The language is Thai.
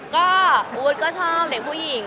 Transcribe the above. ก็อู๊ดก็ชอบเด็กผู้หญิง